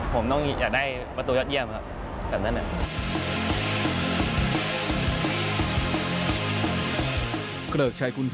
ผมต้องอยากได้ประตูยอดเยี่ยมครับ